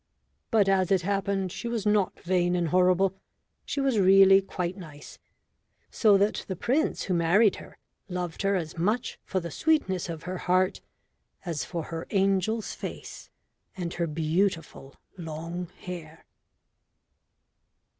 But, as it happened, she was not vain and horrible; she was really quite nice, so that the prince who married her loved her as much for the sweetness of her heart as for her angel's face and her beautiful long hair.